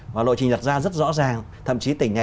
và lộ trình đặt ra rất rõ ràng thậm chí tỉnh này